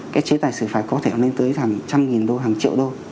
cái chế tài xử phạt có thể lên tới hàng trăm nghìn đô hàng triệu đô